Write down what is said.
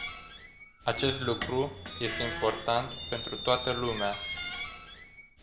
Acest lucru este important pentru toată lumea.